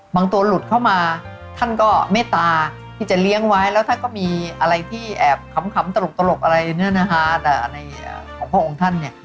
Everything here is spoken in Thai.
ตัวหลุดเข้ามาท่านก็เมตตาที่จะเลี้ยงไว้แล้วท่านก็มีอะไรที่แอบขำตลกอะไรเนี่ยนะคะแต่ในของพระองค์ท่านเนี่ย